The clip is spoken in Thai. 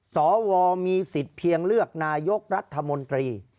สวมีสิทธิ์เพียงเลือกนายกรัฐมนตรี